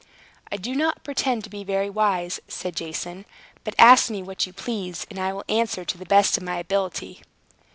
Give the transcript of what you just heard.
"I do not pretend to be very wise," said Jason. "But ask me what you please, and I will answer to the best of my ability."